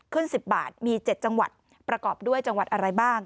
๑๐บาทมี๗จังหวัดประกอบด้วยจังหวัดอะไรบ้าง